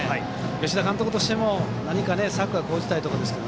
吉田監督としても何か策を講じたいところです。